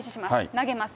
投げます。